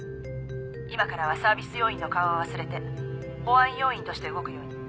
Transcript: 今からはサービス要員の顔は忘れて保安要員として動くように。